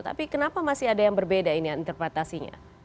tapi kenapa masih ada yang berbeda ini interpretasinya